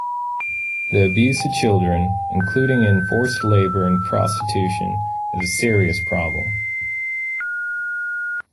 The abuse of children, including in forced labor and prostitution, is a serious problem.